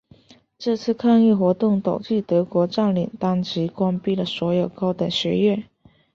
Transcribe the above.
这次抗议活动导致德国占领当局关闭了所有高等院校。